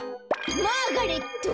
マーガレット。